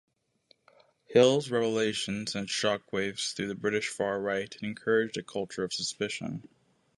Hill's revelations sent shockwaves through the British far-right and encourage a culture of suspicion.